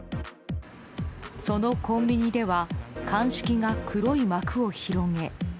そのコンビニでは鑑識が黒い幕を広げ。